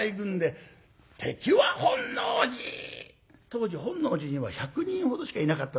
当時本能寺には１００人ほどしかいなかったそうでございますね。